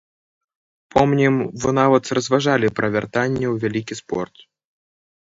Помнім, вы нават разважалі пра вяртанне ў вялікі спорт.